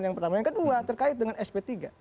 yang kedua terkait dengan sp tiga